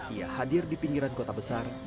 ia hadir di pinggiran kota besar